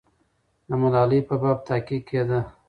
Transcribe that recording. د ملالۍ په باب تحقیق کېده.